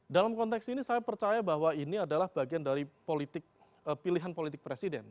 dalam konteks ini saya percaya bahwa ini adalah bagian dari pilihan politik presiden